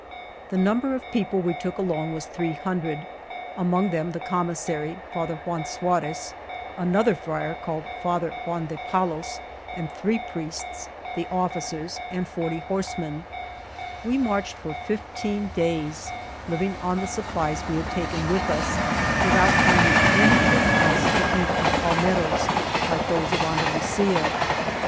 The number of people we 18 ALVAR NUNEZ CABEZA DE VACA took along was three hundred, 5 among them the commissary, Father Juan Xuarez, another friar called Father Juan de Palos and three priests, the officers, and forty horsemen. We marched for fifteen days, living on the sup plies we had taken with us, without finding anything else to eat but palmettos like those of Andalusia.